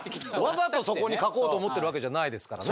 わざとそこにかこうと思ってるわけじゃないですからね。